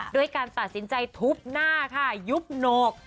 ด้วยการตัดสินใจทุบหน้าค่ะยุบโหนก